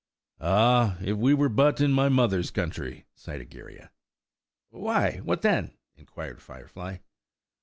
"Ah! if we were but in my mother's country!" sighed Egeria. "Why, what then?" inquired Firefly.